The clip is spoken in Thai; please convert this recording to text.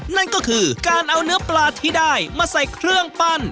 นั่นก็คือการเอาเนื้อปลาที่ได้มาใส่เครื่องปั้น